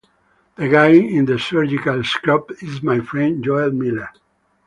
The guy in the surgical scrubs is my friend Joel Miller.